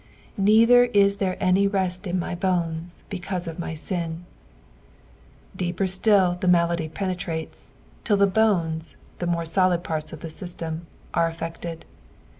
"Neither u there any rent in my bonet hecaute of my «in." Deeper still the malady penetrates, till the bones, the more solid parts of the ajstem, are affected.